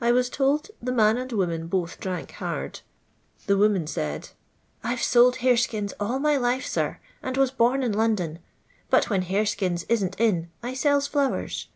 I was told the man and woman both drank hard. The woman said :—" I \e sold horeskins all my life, sir, and was bom in London ; but when hareskins isn't in, I sells flowers.